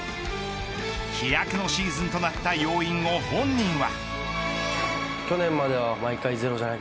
飛躍のシーズンとなった要因を本人は。